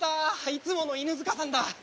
いつもの犬塚さんだ。